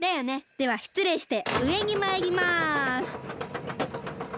ではしつれいしてうえにまいります。